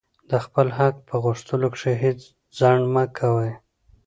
د خپل حق په غوښتلو کښي هېڅ ځنډ مه کوئ!